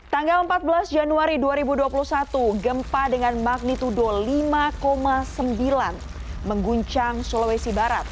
tanggal empat belas januari dua ribu dua puluh satu gempa dengan magnitudo lima sembilan mengguncang sulawesi barat